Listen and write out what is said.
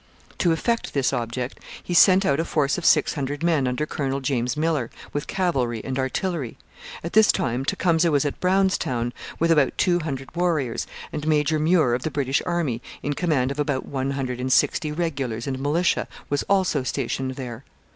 To effect this object he sent out a force of six hundred men under Colonel James Miller, with cavalry and artillery. At this time Tecumseh was at Brownstown with about two hundred warriors, and Major Muir of the British Army, in command of about one hundred and sixty regulars and militia, was also stationed there.